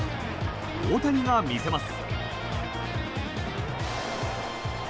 大谷が見せます。